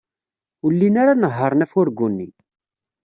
Ur llin ara nehhṛen afurgu-nni.